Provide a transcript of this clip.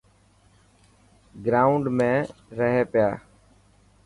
گرائونڊ ۾ رهي پيا.